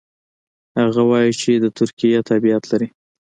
هغه وايي چې د ترکیې تابعیت لري.